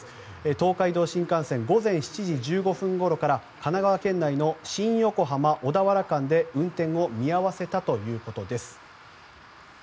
東海道新幹線午前７時１５分ごろから神奈川県内の新横浜小田原間で運転を見合わせたということです。